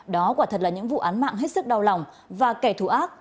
đó quả thật là những vụ án mạng hết sức đau lòng và kẻ thù ác